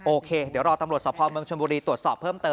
โอเคเดี๋ยวรอตำรวจสภเมืองชนบุรีตรวจสอบเพิ่มเติม